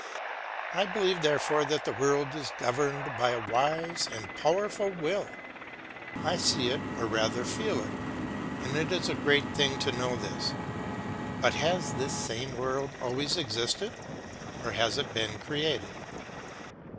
I believe, therefore, that the world is governed by a wise and powerful will; I see it or rather I feel it, and it is a great thing to know this. But has this same world always existed, or has it been created?